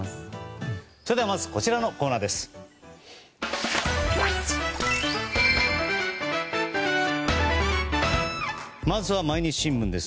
ではまずこちらのコーナーからです。